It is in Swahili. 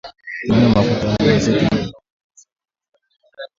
Tumia mafuta ya alizeti au mawese yaliyochujwa